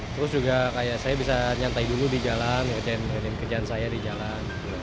terus juga kayak saya bisa nyantai dulu di jalan ya jadi ngerjain kerjaan saya di jalan